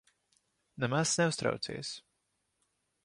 Nemaz neuztraucies.